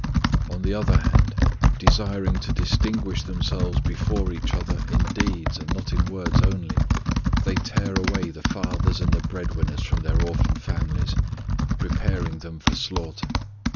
On the other hand, desiring to distinguish themselves before each other in deeds and not in words only, they tear away the fathers and the bread winners from their orphaned families, preparing them for slaughter.